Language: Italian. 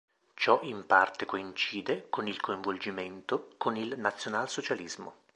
Ciò in parte coincide con il coinvolgimento con il nazionalsocialismo.